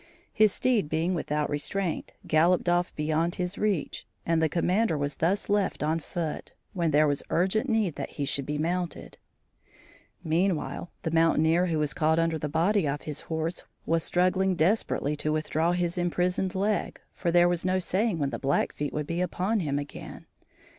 His steed being without restraint, galloped off beyond his reach, and the commander was thus left on foot, when there was urgent need that he should be mounted. Meanwhile the mountaineer who was caught under the body of his horse, was struggling desperately to withdraw his imprisoned leg, for there was no saying when the Blackfeet would be upon him again.